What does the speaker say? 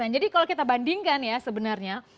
jadi kalau kita bandingkan ya sebenarnya